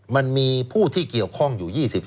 มันมีผู้ที่เกี่ยวข้องอยู่๒๐